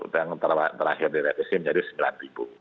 yang terakhir direvisi menjadi rp sembilan